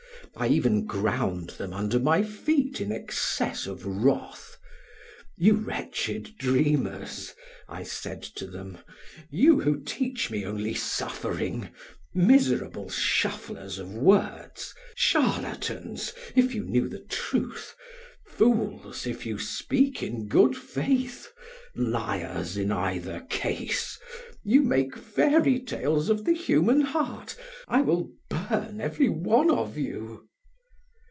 I even ground them under my feet in excess of wrath. "You wretched dreamers," I said to them; "you who teach me only suffering, miserable shufflers of words, charlatans if you knew the truth, fools if you speak in good faith, liars in either case, who make fairy tales of the human heart, I will burn every one of you!"